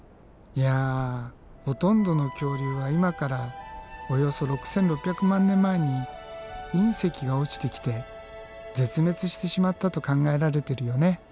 いやほとんどの恐竜は今からおよそ６，６００万年前に隕石が落ちてきて絶滅してしまったと考えられてるよね。